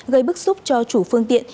gây bức xúc cho chủ phương tiện